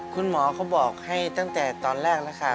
คุณหมอเขาบอกให้ตั้งแต่ตอนแรกแล้วค่ะ